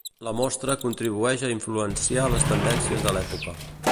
La Mostra contribueix a influenciar les tendències de l'època.